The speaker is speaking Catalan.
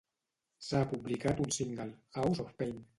S'ha publicat un single, 'House of Pain'.